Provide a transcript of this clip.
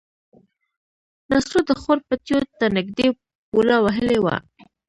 نصرو د خوړ پټيو ته نږدې پوله وهلې وه.